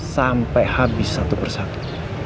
sampai habis satu persatu